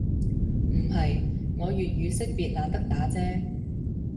唔係，我粵語識別懶得打啫